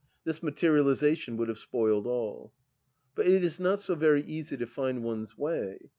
This materializa tion would have spoiled all. But it is not so very easy to find one's way.